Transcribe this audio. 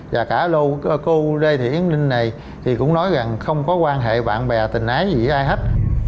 và cả lô cô lê thị yến linh này thì cũng nói rằng không có quan hệ bạn bè tình ái gì với ai hết